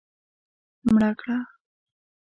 مړه کړه